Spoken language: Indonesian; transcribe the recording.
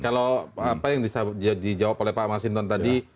kalau apa yang dijawab oleh pak masinton tadi